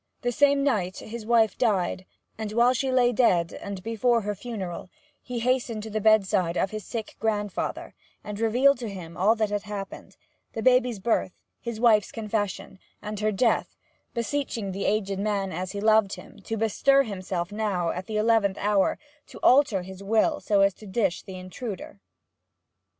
That same night his wife died; and while she lay dead, and before her funeral, he hastened to the bedside of his sick grandfather, and revealed to him all that had happened: the baby's birth, his wife's confession, and her death, beseeching the aged man, as he loved him, to bestir himself now, at the eleventh hour, and alter his will so as to dish the intruder.